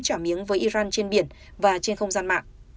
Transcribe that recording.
trả miếng với iran trên biển và trên không gian mạng